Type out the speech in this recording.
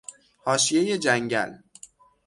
حاشیهی جنگل